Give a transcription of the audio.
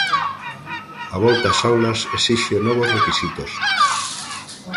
A volta ás aulas esixe novos requisitos.